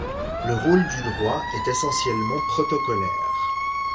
Le rôle du roi est essentiellement protocolaire.